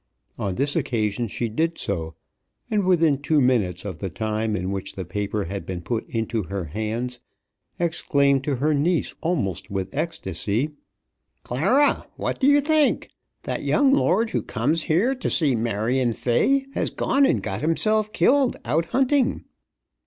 On this occasion she did so, and within two minutes of the time in which the paper had been put into her hands exclaimed to her niece almost with ecstasy, "Clara, what do you think? That young lord who comes here to see Marion Fay has gone and got himself killed out hunting."